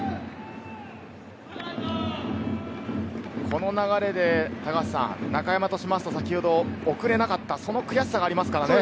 この流れで高橋さん、中山としますと、先ほど送れなかったその悔しさがありますからね。